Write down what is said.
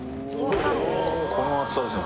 この厚さですよ